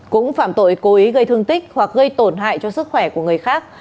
cũng phạm tội cố ý gây thương tích hoặc gây tổn hại cho sức khỏe của người khác